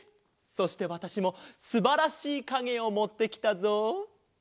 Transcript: そしてわたしもすばらしいかげをもってきたぞ。